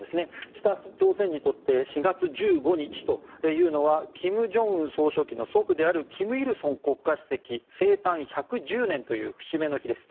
北朝鮮にとって４月１５日というのは金正恩総書記の祖父である金日成国家主席の生誕１１０年という節目の日です。